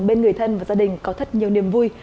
bên người thân và gia đình có thật nhiều niềm vui